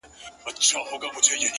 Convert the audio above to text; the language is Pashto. وجود چي د ژوند ټوله محبت خاورې ايرې کړ’